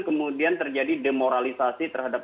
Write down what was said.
kemudian terjadi demoralisasi terhadap